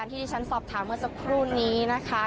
ที่ที่ฉันสอบถามเมื่อสักครู่นี้นะคะ